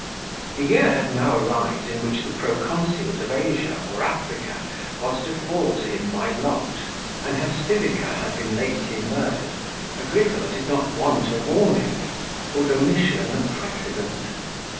42 The year had now arrived in which the pro consulate of Asia or Africa was to fall to him by lot, and, as Civica had been lately murdered, Agricola did not want a warning, or Domitian a precedent.